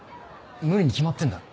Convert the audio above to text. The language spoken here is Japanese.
無理に決まってんだろ。